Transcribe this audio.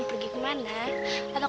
kamu bisa kan hidup di rumah aku